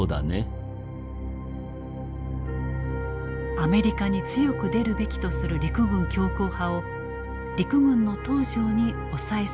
アメリカに強く出るべきとする陸軍強硬派を陸軍の東條に抑えさせる。